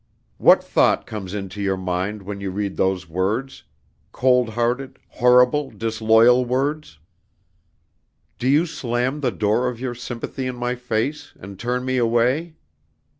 "What thought comes into your mind when you read those words cold hearted, horrible, disloyal words? Do you slam the door of your sympathy in my face, and turn me away?